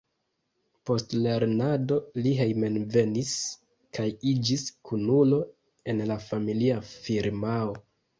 Post lernado li hejmenvenis kaj iĝis kunulo en la familia firmao.